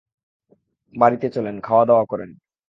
বাড়িতে চলেন, খাওয়াদাওয়া করেন।